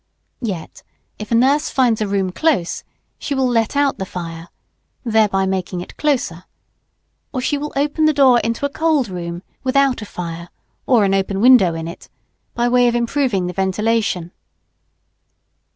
Yet, if a nurse finds a room close, she will let out the fire, thereby making it closer, or she will open the door into a cold room, without a fire, or an open window in it, by way of improving the ventilation.